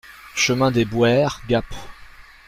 Chemin Dès Boeres, Gap